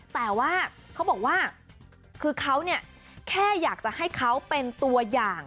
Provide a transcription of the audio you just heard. แต่ว่าเขาบอกว่าคือเขาเนี่ยแค่อยากจะให้เขาเป็นตัวอย่าง